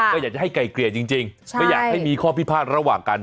ก็อยากจะให้ไก่เกลี่ยจริงไม่อยากให้มีข้อพิพาทระหว่างกัน